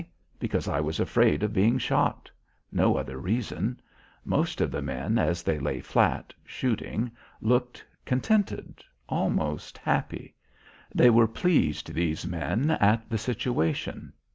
Because I was afraid of being shot. No other reason. Most of the men as they lay flat, shooting, looked contented, almost happy. They were pleased, these men, at the situation.